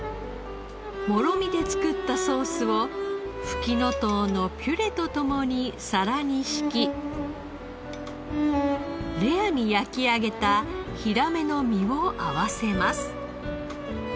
もろみで作ったソースをフキノトウのピュレと共に皿に敷きレアに焼き上げたヒラメの身を合わせます。